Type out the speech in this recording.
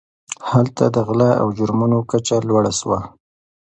هلته د غلا او جرمونو کچه لوړه سوه.